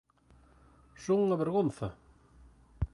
¡Son unha vergonza!